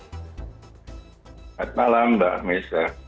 selamat malam mbak misa